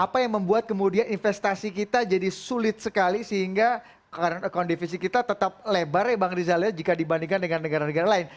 apa yang membuat kemudian investasi kita jadi sulit sekali sehingga account divisi kita tetap lebar ya bang rizal ya jika dibandingkan dengan negara negara lain